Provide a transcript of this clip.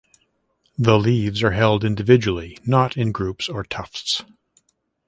The leaves are held individually (not in groups or tufts).